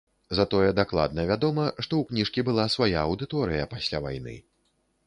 Затое дакладна вядома, што ў кніжкі была свая аўдыторыя пасля вайны.